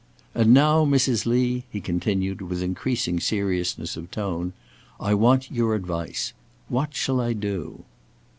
"And now, Mrs. Lee," he continued, with increasing seriousness of tone; "I want your advice; what shall I do?"